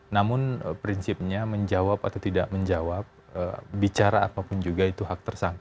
namun prinsipnya menjawab atau tidak menjawab bicara apapun juga itu hak tersangka